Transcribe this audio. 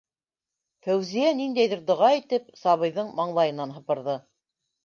- Фәүзиә. ниндәйҙер доға әйтеп, сабыйҙың маңлайынан һыпырҙы.